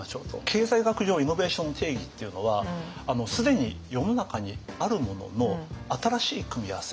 経済学上イノベーションの定義っていうのはすでに世の中にあるものの新しい組み合わせ。